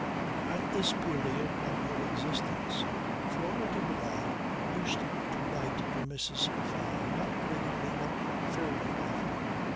At this period of her existence Flora de Barral used to write to Mrs. Fyne not regularly but fairly often.